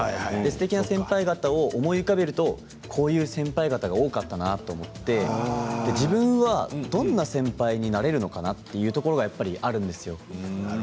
すてきな先輩方を思い浮かべるとこういう先輩方が多かったなと思って自分がどんな先輩になれるのかなというところがやっぱりあるんですよ。